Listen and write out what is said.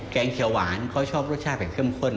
งเขียวหวานเขาชอบรสชาติแบบเข้มข้น